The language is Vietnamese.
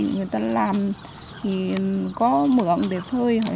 người ta làm thì có mượn để phơi